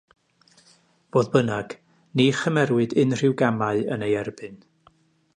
Fodd bynnag, ni chymerwyd unrhyw gamau yn ei erbyn.